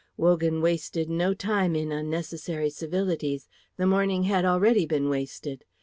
Wogan wasted no time in unnecessary civilities; the morning had already been wasted.